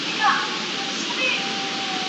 خپل ځان ته څراغ بل کړي